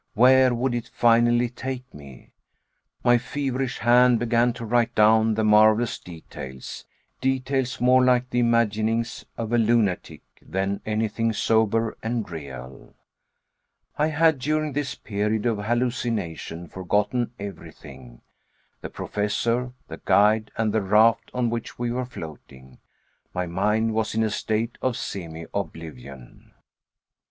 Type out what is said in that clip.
Where would it finally take me? My feverish hand began to write down the marvelous details details more like the imaginings of a lunatic than anything sober and real. I had during this period of hallucination forgotten everything the Professor, the guide, and the raft on which we were floating. My mind was in a state of semioblivion.